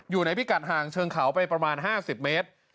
อยู่ในพี่กัดห่างเชิงเขาไปประมาณ๕๐เมตร